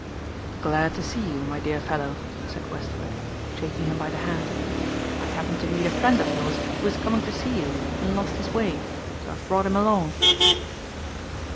"Glad to see you, my dear fellow," said Westward, shaking him by the hand. "I happened to meet a friend of yours who was coming to see you and lost his way so I've brought him along."